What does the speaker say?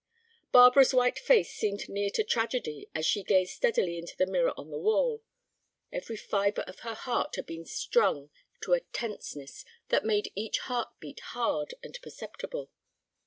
Barbara's white face seemed near to tragedy as she gazed steadily into the mirror on the wall. Every fibre of her heart had been strung to a tenseness that made each heart beat hard and perceptible.